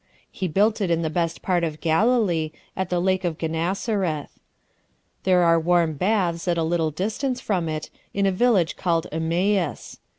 He built it in the best part of Galilee, at the lake of Gennesareth. There are warm baths at a little distance from it, in a village named Emmaus.